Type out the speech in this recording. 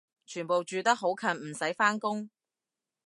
全部住得好近唔使返工？